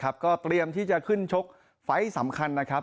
ก็เตรียมที่จะขึ้นชกไฟล์สำคัญนะครับ